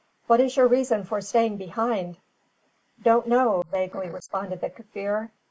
What is your reason for staying behind?" "Don't know," vaguely responded the Kaffir.